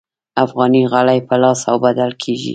افغاني غالۍ په لاس اوبدل کیږي